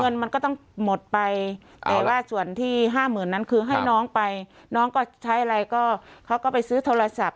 เงินมันก็ต้องหมดไปแต่ว่าส่วนที่ห้าหมื่นนั้นคือให้น้องไปน้องก็ใช้อะไรก็เขาก็ไปซื้อโทรศัพท์